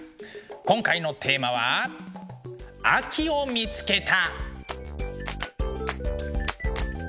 今回のテーマは「秋を見つけた！」。